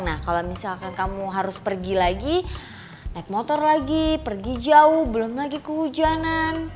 nah kalau misalkan kamu harus pergi lagi naik motor lagi pergi jauh belum lagi kehujanan